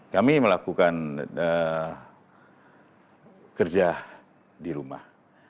kami melakukan kerja di rumah